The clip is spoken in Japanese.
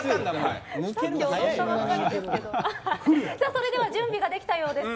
それでは準備ができたようです。